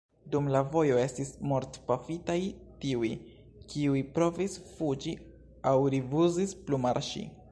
Dum la vojo estis mortpafitaj tiuj, kiuj provis fuĝi aŭ rifuzis plu marŝi.